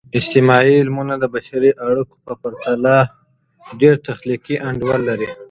اجتماعي علمونه د بشري اړیکو په پرتله ډیر تخلیقي انډول لري.